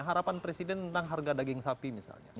harapan presiden tentang harga daging sapi misalnya